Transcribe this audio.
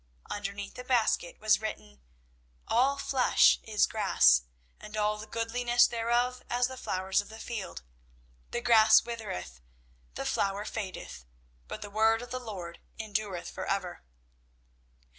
Underneath the basket was written "_All flesh is grass, and all the goodliness thereof as the flowers of the field. The grass withereth, the flower fadeth, but the word of the Lord endureth for ever.